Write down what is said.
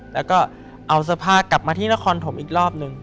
แล้วก็เอาเสื้อผ้ากลับมาที่นครถมอีกรอบนึง